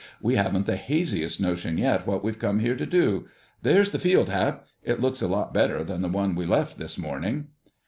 "We haven't the haziest notion yet what we've come here to do—There's the field, Hap! It looks a lot better than the one we left this morning."